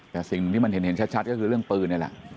แต่สิ่งหนึ่งที่มันเห็นชัดก็คือเรื่องปืนนี่แหละ